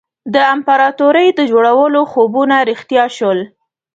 د امپراطوري د جوړولو خوبونه رښتیا شول.